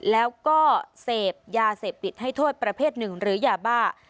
แล้วก็เสพยาเสพติดให้โทษประเภทหนึ่งหรือยาบ้า